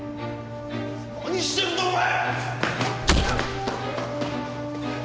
何してるんだお前！